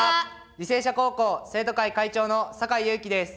履正社高校生徒会会長の酒井悠希です。